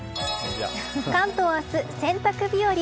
関東明日、洗濯日和。